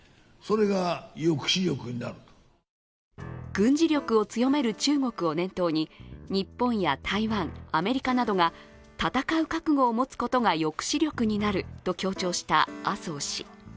軍事力を強める中国を念頭に日本や台湾、アメリカなどが戦う覚悟を持つことが抑止力になると強調した麻生氏。